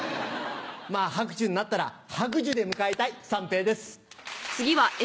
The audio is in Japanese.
まぁ白寿になったらハクジュで迎えたい三平です。